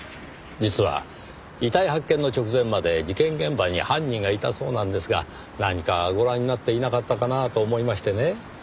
実は遺体発見の直前まで事件現場に犯人がいたそうなんですが何かご覧になっていなかったかなと思いましてね。